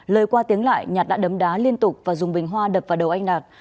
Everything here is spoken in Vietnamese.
lời qua tiếng lại nhạt đã đấm đá liên tục và dùng bình hoa đập vào đầu anh đạt